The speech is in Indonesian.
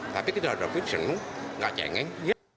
tapi kita ada fungsi enggak cengeng